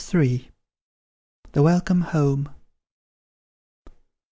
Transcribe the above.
THE WELCOME HOME.